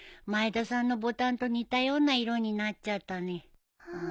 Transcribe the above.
前田さんのボタンと似たような色になっちゃったね。